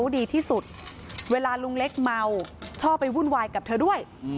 ดีที่สุดเวลาลุงเล็กเมาชอบไปวุ่นวายกับเธอด้วย